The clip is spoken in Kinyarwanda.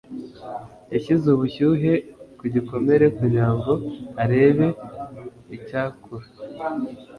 Yashyize ubushyuhe ku gikomere kugira ngo arebe icyakura.